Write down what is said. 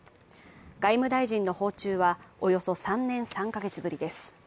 外務大臣の訪中は、およそ３年３カ月ぶりです。